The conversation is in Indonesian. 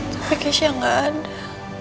tapi kesya gak ada